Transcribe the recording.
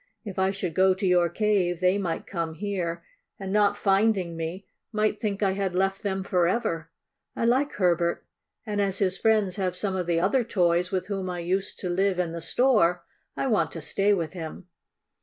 If I should go to your cave they might come here, and, not finding me, might think I had left them forever. I like Herbert, and as his friends have some of the other toys with whom I used to live in the store, I want to stay with him."